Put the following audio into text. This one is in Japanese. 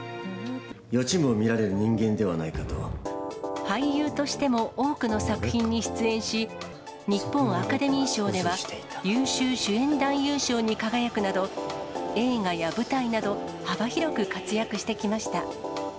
予知夢を見られる人間ではな俳優としても多くの作品に出演し、日本アカデミー賞では、優勝主演男優賞に輝くなど、映画や舞台など、幅広く活躍してきました。